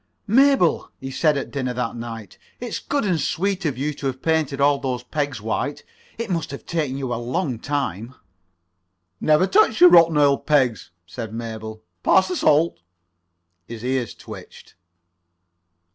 "Mabel," he said that night at dinner, "It's good and sweet of you to have painted all those pegs white. It must have taken you a long time." "Never touched your rotten old pegs," said Mabel. "Pass the salt." His ears twitched.